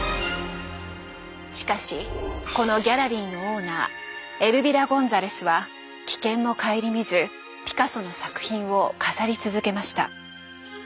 しかしこのギャラリーのオーナーエルビラ・ゴンザレスは危険も顧みずピカソの作品を飾り続けました。